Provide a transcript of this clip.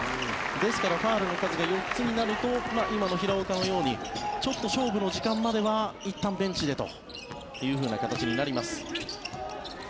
ですから、ファウルの数が４つになると今の平岡のようにちょっと勝負の時間まではいったんベンチでというふうな形になります。